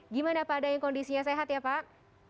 gimana pak dayeng kondisinya sehat ya pak